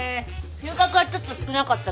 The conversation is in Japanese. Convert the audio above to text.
収穫はちょっと少なかったけどね。